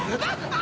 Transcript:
あ！